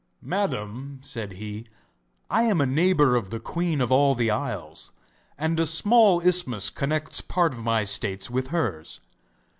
'Madam,' said he, 'I am a neighbour of the Queen of all the Isles; and a small isthmus connects part of my states with hers.